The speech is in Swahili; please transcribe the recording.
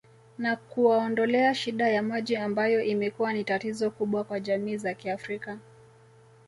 Na kuwaondolea shida ya maji ambayo imekuwa ni tatizo kubwa kwa jamii za kiafrika